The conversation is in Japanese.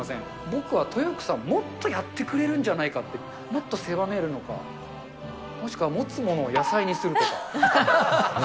僕は豊福さん、もっとやってくれるんじゃないかって、もっと狭めるのか、もしくは持つものを野菜にするとか。